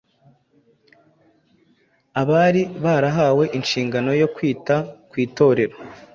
Abari barahawe inshingano yo kwita ku Itorero,